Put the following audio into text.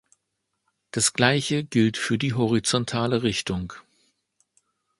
Das Gleiche gilt für die horizontale Richtung.